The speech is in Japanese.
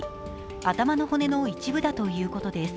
頭の骨の一部だということです。